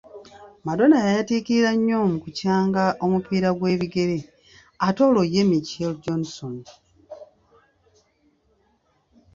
Mardona yayatiikirira nnyo mu kukyanga omupiira gw’ebigere ate olwo ye Michel Johnson?